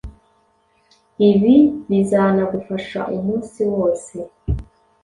Ibi bizanagufasha umunsi wose